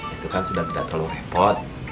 itu kan sudah tidak terlalu repot